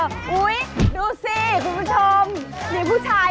รู้ยังไหมฉัน